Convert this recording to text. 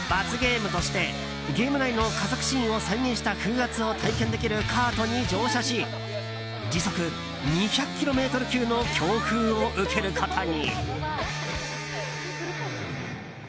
罰ゲームとしてゲーム内の加速シーンを再現した風圧を体験できるカートに乗車し時速２００キロメートル級の強風を受けることに。